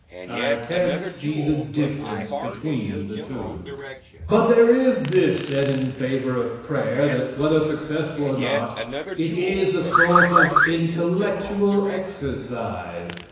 I can't see the difference between the two. But there is this said in favor of prayer that, whether successful or not, it is a sort of intellectual exercise.